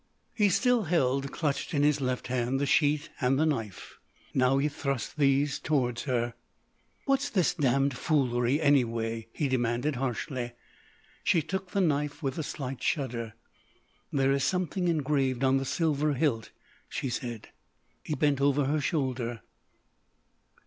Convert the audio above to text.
He still held clutched in his left hand the sheet and the knife. Now he thrust these toward her. "What's this damned foolery, anyway?" he demanded harshly. She took the knife with a slight shudder. "There is something engraved on the silver hilt," she said. He bent over her shoulder.